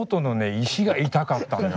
石が痛かったのよ。